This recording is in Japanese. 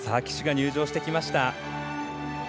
旗手が入場してきました。